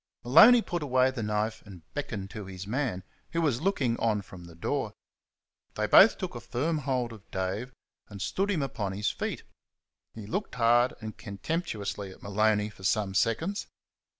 Maloney put away the knife and beckoned to his man, who was looking on from the door. They both took a firm hold of Dave and stood him upon his feet. He looked hard and contemptuously at Maloney for some seconds.